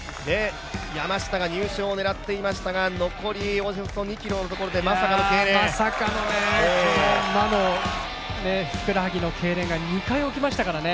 山下が入賞を狙っていましたが残りおよそ２ｋｍのところでこの、魔のふくらはぎのけいれんが２回起きましたからね。